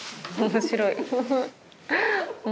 面白い。